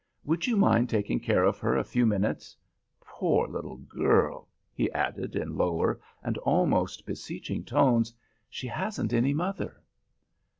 Would you mind taking care of her a few minutes? Poor little girl!" he added, in lower and almost beseeching tones, "she hasn't any mother."